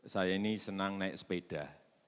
saya ini senang naik sepeda